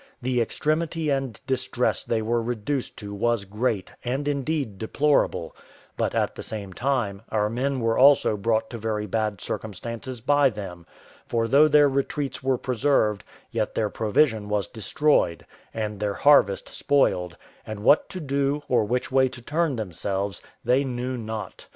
The extremity and distress they were reduced to was great, and indeed deplorable; but, at the same time, our men were also brought to very bad circumstances by them, for though their retreats were preserved, yet their provision was destroyed, and their harvest spoiled, and what to do, or which way to turn themselves, they knew not.